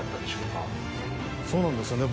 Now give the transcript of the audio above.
そうなんですよね